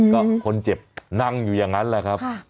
ก็คนเจ็บนั่งอยู่อย่างนั้นแหละครับ